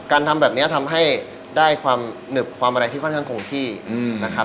ทำแบบนี้ทำให้ได้ความหนึบความอะไรที่ค่อนข้างคงที่นะครับ